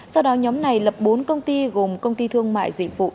sau đó nhóm này lập bốn công ty gồm công ty thương mại dịch vụ